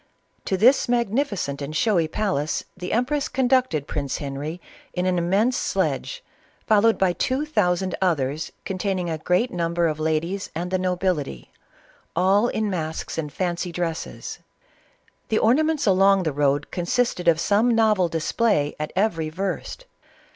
To this magnificent and showy palace, the empress conducted Prince Henry in an immense sledge, fol lowed by two thousand others containing a great num ber of ladies and the nobility, all in masks and fancw dresses. The amusements along the road consisted o/ some novel display at every verst.